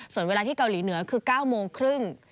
ส่วนเวลาที่เกาหลีเหนือคือ๙โมงครึ่ง